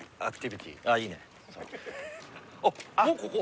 あっもうここ？